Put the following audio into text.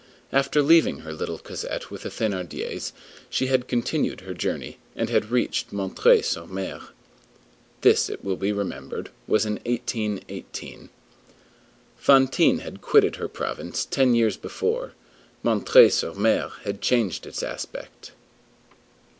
After leaving her little Cosette with the Thénardiers, she had continued her journey, and had reached M. sur M. This, it will be remembered, was in 1818. Fantine had quitted her province ten years before. M. sur M. had changed its aspect.